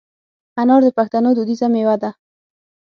انار د پښتنو دودیزه مېوه ده.